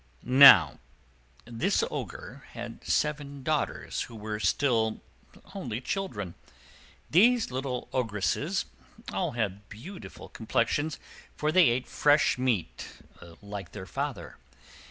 Now this Ogre had seven daughters, who were still only children. These little Ogresses all had beautiful complexions, for they ate fresh meat like their father.